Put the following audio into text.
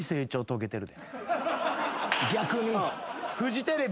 逆に？